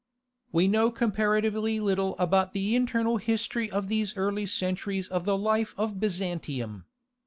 We know comparatively little about the internal history of these early centuries of the life of Byzantium.